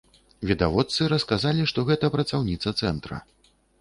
Відавочцы расказалі, што гэта працаўніца цэнтра.